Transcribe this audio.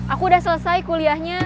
aku udah selesai kuliahnya